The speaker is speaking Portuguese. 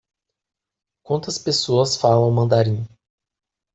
Quantas pessoas falam mandarim?